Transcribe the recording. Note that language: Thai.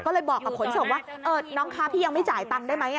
ก็เลยบอกกับขนส่งว่าน้องค้าพี่ยังไม่จ่ายตังค์ได้ไหม